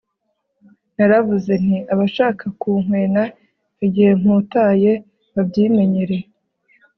naravuze nti abashaka kunkwena igihe mputaye babyimenyere